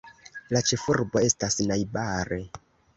La ĉefurbo estas najbare.